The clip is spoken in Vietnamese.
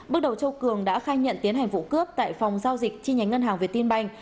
bước đầu châu cường đã khai nhận tiến hành vụ cướp tại phòng giao dịch chi nhánh ngân hàng việt tiên banh